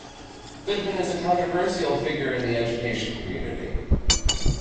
Goodman is a controversial figure in the education community.